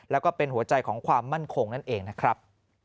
แล้วก็เป็นหัวใจของความมั่นคงนั่นเองนะครับ